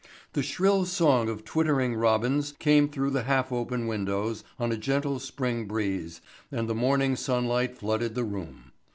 The shrill song of twittering robins came through the half open windows on a gentle spring breeze and the morning sunlight flooded the room.